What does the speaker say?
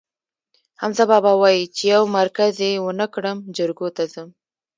حمزه بابا وایي: چې یو مرگز یې ونه کړم، جرګو ته ځم.